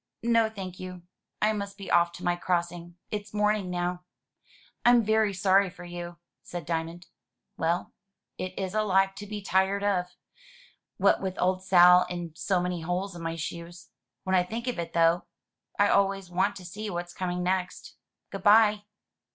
"No, thank you. I must be off to my crossing. It's morn ing now." "I'm very sorry for you," said Diamond. "Well, it is a life to be tired of— what with old Sal, and so many holes in my shoes. When I think of it, though, I always want to see what's coming next. Good bye!"